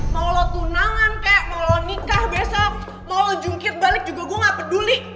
mau lo tunangan kek mau nikah besok mau jungkir balik juga gue gak peduli